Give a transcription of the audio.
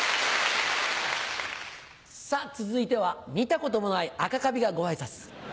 さぁ続いては見たこともない赤カビがご挨拶。